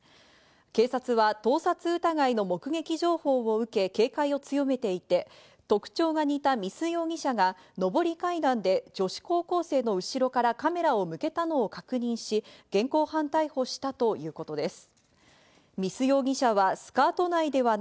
警察は盗撮疑いの目撃情報を受け、警戒を強めていて、特徴が似た見須容疑者が上り階段で女子高校生の後ろからカメラを向けたのを確認し、現行犯逮捕したということです。